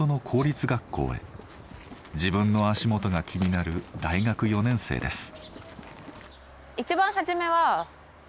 自分の足元が気になる大学４年生です。